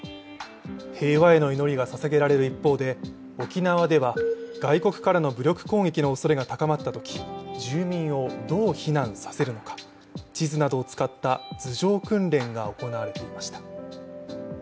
平和への祈りがささげられる一方で沖縄では外国からの武力攻撃の恐れが高まったとき、住民をどう避難させるのか地図などを使った図上訓練が行われていました。